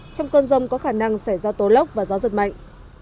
trong cơn rông có khả năng xảy ra tố lốc và gió giật mạnh